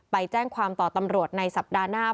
ไปแจ้งความต่อตำรวจในสัปดาห์หน้า